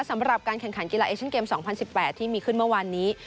สำหรับการแข่งขันกีฬาเอเชียนเกม๒๐๑๘ที่มีขึ้นเมื่อวานนี้